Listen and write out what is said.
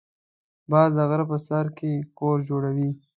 باز د غره په سر کې کور جوړوي